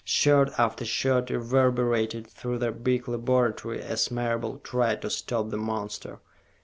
Shot after shot reverberated through the big laboratory as Marable tried to stop the monster.